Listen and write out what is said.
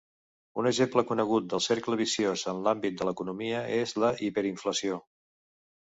Un exemple conegut del cercle viciós en l'àmbit de l'economia és la hiperinflació.